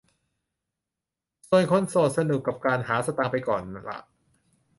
ส่วนคนโสดสนุกกับการหาสตางค์ไปก่อนล่ะ